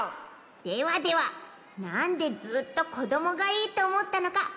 ではではなんでずっとこどもがいいとおもったのかきいてもらえますか？